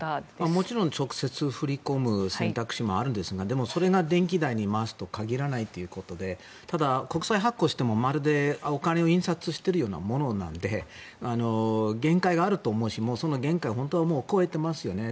もちろん直接振り込む選択肢もあるんですがでも、それが電気代に回すとは限らないということでただ、国債発行してもまるでお金を印刷してるようなものなので限界があると思うしその限界をもう超えてますよね。